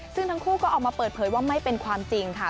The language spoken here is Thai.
ซึ่งทั้งคู่ก็ออกมาเปิดเผยว่าไม่เป็นความจริงค่ะ